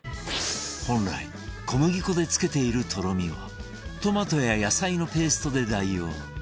本来小麦粉でつけているとろみをトマトや野菜のペーストで代用